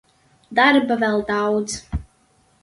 Darba vēl daudz.